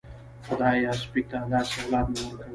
خدايه سپي ته داسې اولاد مه ورکوې.